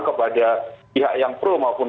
kepada pihak yang pro maupun